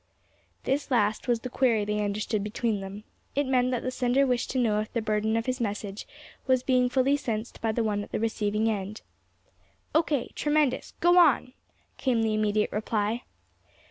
This last was the query they understood between them. It meant that the sender wished to know if the burden of his message was being fully sensed by the one at the receiving end. "O. K. Tremendous! Go on!" came the immediate reply.